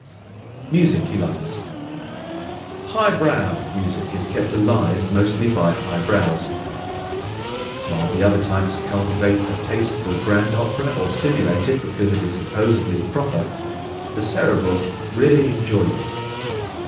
Music He Likes ¶ "Highbrow" music is kept alive mostly by highbrows. While the other types cultivate a taste for grand opera or simulate it because it is supposedly proper, the Cerebral really enjoys it.